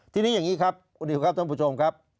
ทีนี้อย่างนี้ครับคุณนิวครับท่านผู้ชมครับ